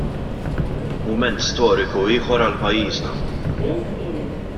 Mument storiku ieħor għal pajjiżna.